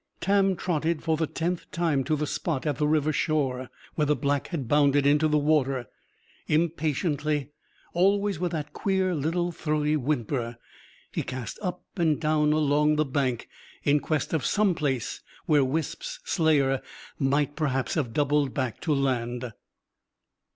Tam trotted, for the tenth time, to the spot at the river shore, where the Black had bounded into the water. Impatiently, always with that queer little throaty whimper, he cast up and down along the bank, in quest of some place where Wisp's slayer might perhaps have doubled back to land.